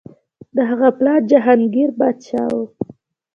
د هغه پلار جهانګیر پادشاه و.